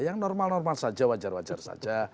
yang normal normal saja wajar wajar saja